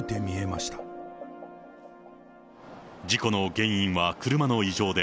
事故の原因は車の異常で、